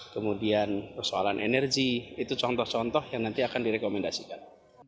kemudian persoalan energi itu contoh contoh yang nanti akan direkomendasikan